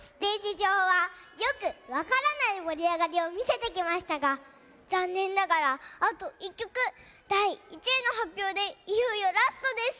じょうはよくわからないもりあがりをみせてきましたがざんねんながらあと１きょくだい１いのはっぴょうでいよいよラストです。